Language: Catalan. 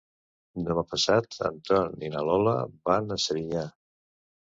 Demà passat en Tom i na Lola van a Serinyà.